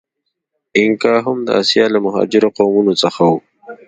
اینکا هم د آسیا له مهاجرو قومونو څخه و.